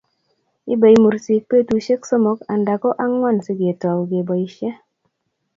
Ibei mursik betushe somok anda ko ang'wan si ketou keboisie.